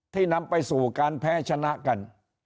นำไปสู่การแพ้ชนะกัน